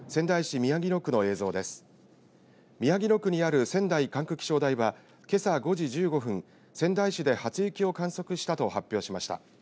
宮城野区にある仙台管区気象台はけさ５時１５分仙台市で初雪を観測したと発表しました。